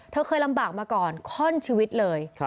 เธอเคยลำบากมาก่อนข้อนชีวิตเลย